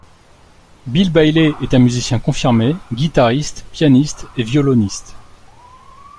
Bill Bailey est un musicien confirmé, guitariste, pianiste et violoniste.